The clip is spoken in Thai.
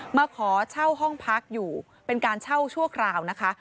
มาขอเช่าห้องพักอยู่เป็นการเช่าชั่วคราวนะคะ